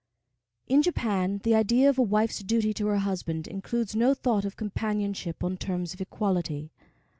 In Japan the idea of a wife's duty to her husband includes no thought of companionship on terms of equality.